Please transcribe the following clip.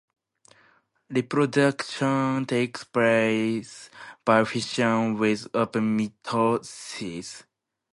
Reproduction takes place by fission, with open mitosis.